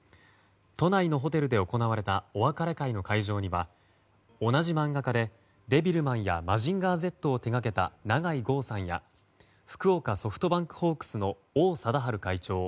都内のホテルで行われたお別れの会の会場には同じ漫画家で「デビルマン」や「マジンガーＺ」を手掛けた永井豪さんや福岡ソフトバンクホークスの王貞治会長